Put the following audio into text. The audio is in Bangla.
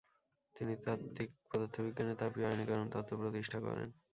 তিনি তাত্বিক পদার্থবিজ্ঞানে তাপীয় আয়নীকরণ তত্ত্ব প্রতিষ্ঠা করেন।